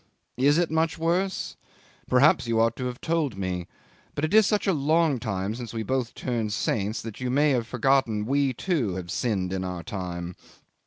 Is it much worse? Perhaps you ought to have told me; but it is such a long time since we both turned saints that you may have forgotten we, too, had sinned in our time?